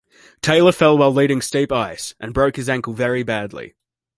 Taylor fell while leading steep ice, and broke his ankle very badly.